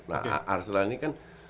nah arsenal ini kan